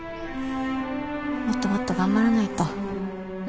もっともっと頑張らないと。